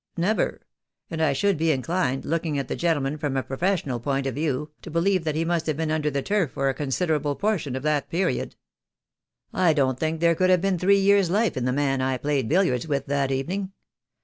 "Never, and I should be inclined, looking at the gen tleman from a professional point of view, to believe that he must have been under the turf for a considerable portion of that period. I don't think there could have been three years' life in the man I played billiards with that evening.